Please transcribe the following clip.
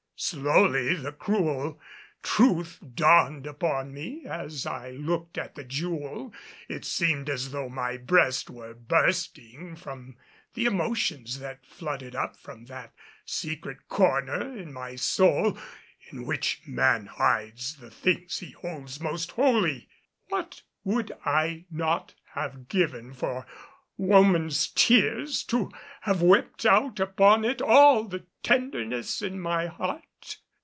Slowly the cruel truth dawned upon me as I looked at the jewel. It seemed as though my breast were bursting with the emotions that flooded up from that secret corner in my soul in which man hides the things he holds most holy. What would I not have given for woman's tears to have wept out upon it all the tenderness in my heart?